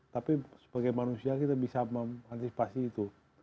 tapi sebagai manusia kita bisa mengantisipasi itu